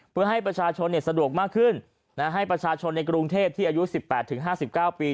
เพื่อให้ประชาชนสะดวกมากขึ้นให้ประชาชนในกรุงเทพที่อายุ๑๘๕๙ปี